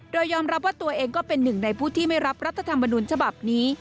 โดยยอมรับว่าตัวเองก็เป็นหนึ่งในผู้ที่ไม่รับรัฐธรรมนุนฉบับนี้